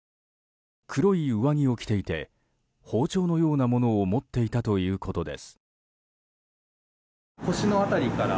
黒い上着を着ていて包丁のようなものを持っていたということです。